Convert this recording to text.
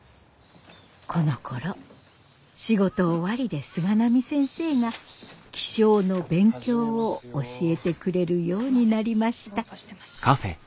このころ仕事終わりで菅波先生が気象の勉強を教えてくれるようになりました。